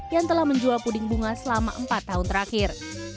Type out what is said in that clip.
yang telah menjual puding bunga selama empat tahun terakhir